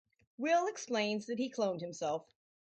Will explains that he cloned himself.